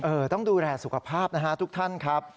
ต้องดูแลสุขภาพนะฮะทุกท่านครับ